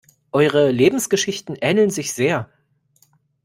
Eure Lebensgeschichten ähneln sich sehr.